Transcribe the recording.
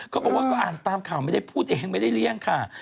เขาบอกว่าก็อ่านตามข่าวไม่ได้พูดเองไม่ได้เลี่ยงค่ะ